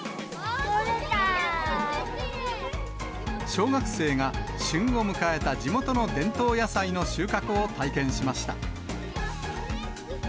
小学生が旬を迎えた地元の伝統野菜の収穫を体験しました。